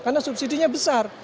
karena subsidinya besar